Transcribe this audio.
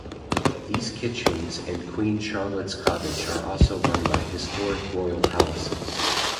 These kitchens and Queen Charlotte's Cottage are also run by Historic Royal Palaces.